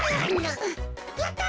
やった！